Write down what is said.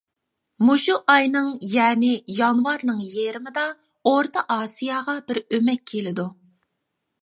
مۇشۇ ئاينىڭ يەنى يانۋارنىڭ يېرىمىدا ئورتا ئاسىياغا بىر ئۆمەك كېلىدۇ.